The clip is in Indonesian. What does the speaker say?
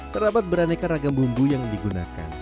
terdapat beraneka ragam bumbu yang digunakan